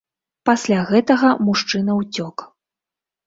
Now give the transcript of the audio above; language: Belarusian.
Пасля гэтага мужчына ўцёк.